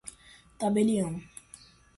tabelião